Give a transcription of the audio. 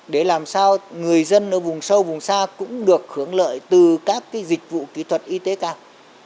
để làm sao người dân ở vùng sâu vùng xa cũng được hưởng lợi từ các dịch vụ kỹ thuật y tế cao